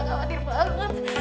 mulai khawatir banget